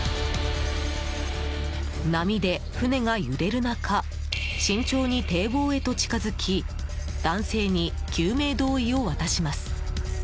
波で船が揺れる中慎重に堤防へと近づき男性に救命胴衣を渡します。